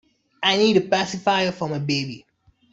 I need a pacifier for my baby.